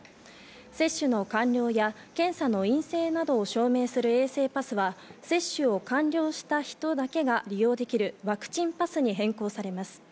接種の完了や検査の陰性などを証明する衛生パスは接種を完了した人だけが利用できるワクチンパスに変更されます。